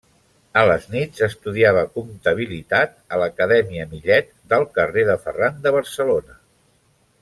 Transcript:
A les nits estudiava comptabilitat a l'Acadèmia Millet, del carrer de Ferran de Barcelona.